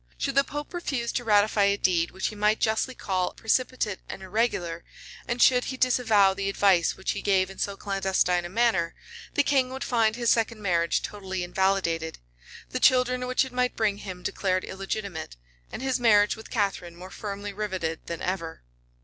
Should the pope refuse to ratify a deed which he might justly call precipitate and irregular, and should he disavow the advice which he gave in so clandestine a manner, the king would find his second marriage totally invalidated; the children which it might bring him declared illegitimate; and his marriage with Catharine more firmly riveted than ever.